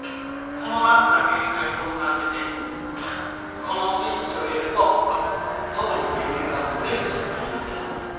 このランプだけ改造されててこのスイッチを入れると外に電流が漏れる仕組みになってた。